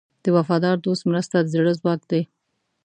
د وفادار دوست مرسته د زړه ځواک دی.